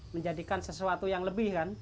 menjadikan sesuatu yang lebih kan